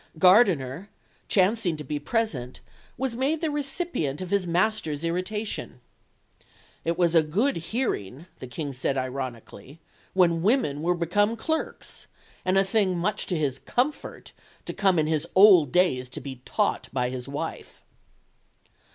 Gardiner, chancing to be present, was made the recipient of his master's irritation. It was a good hearing, the King said ironically, when women were become clerks, and a thing much to his comfort, to come in his old days to be taught by his wife.